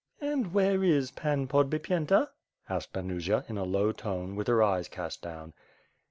"And where is Pan Podbipyenta?" asked Anusia in a low tone, with her eyes cast down.